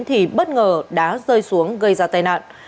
thì bất ngờ đá rơi xuống gây ra tai nạn